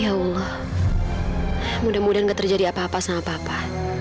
ya allah mudah mudahan gak terjadi apa apa sama apa apa